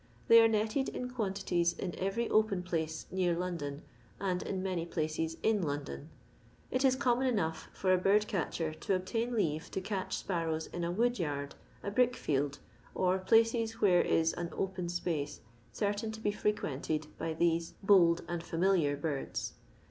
They are netted in quantities in every open place near London, and in many places in London. It is common enough for a bird catcher to obtain leave to catch sparrows in a wood yard, a brick field, or places where is an open space certain to be frequented by these bold and familiar birds.